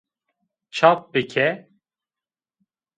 Çap bike!